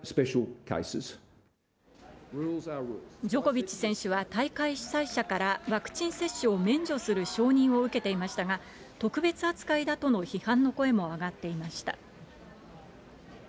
ジョコビッチ選手は、大会主催者から、ワクチン接種を免除する承認を受けていましたが、特別扱いだとの批判の声も上がっていました。